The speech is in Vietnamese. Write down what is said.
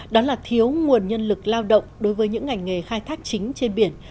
đó là thiếu nguồn nhân lực lao động đối với những ngành nghề khai thác chính trên biển